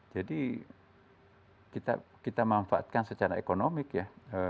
jadi kita memanfaatkan secara ekonomik ya